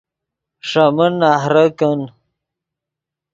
ݰے من نہرے کن